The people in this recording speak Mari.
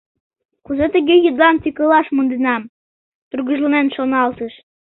«Кузе тыге йӱдлан тӱкылаш монденам?» — тургыжланен шоналтыш.